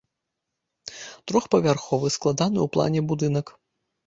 Трохпавярховы, складаны ў плане будынак.